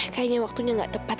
kayaknya waktunya gak tepat